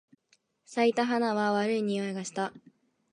咲いた花は悪い匂いがした。